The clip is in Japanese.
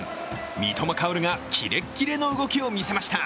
三笘薫がキレッキレの動きを見せました。